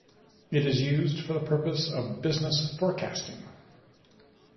It is used for the purpose of business forecasting.